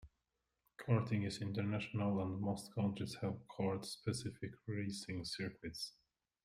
Karting is international and most countries have kart specific racing circuits.